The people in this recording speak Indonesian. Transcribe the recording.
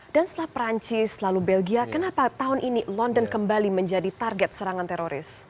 dan setelah perancis lalu belgia kenapa tahun ini london kembali menjadi target serangan teroris